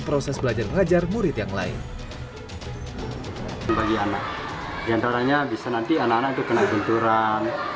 proses belajar mengajar murid yang lain bagian antaranya bisa nanti anak anak itu kena gunturan